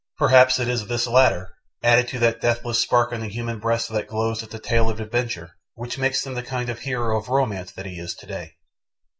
Perhaps it is this latter, added to that deathless spark in the human breast that glows at the tale of adventure, which makes him the kind of hero of romance that he is today.